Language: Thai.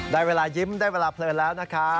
ได้เวลายิ้มได้เวลาเพลินแล้วนะคะ